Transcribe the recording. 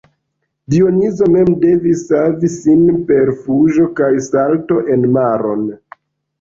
Dionizo mem devis savi sin per fuĝo kaj salto en maron.